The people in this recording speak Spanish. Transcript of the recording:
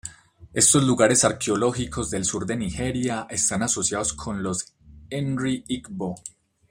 Estos lugares arqueológicos del sur de Nigeria están asociados con los Nri-Igbo.